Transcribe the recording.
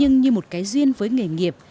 nhưng như một cái duyên với nghề nghiệp